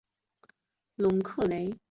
隆格雷。